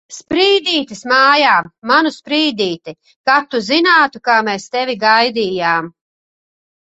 Sprīdītis mājā! Manu Sprīdīti! Kad tu zinātu, kā mēs tevi gaidījām!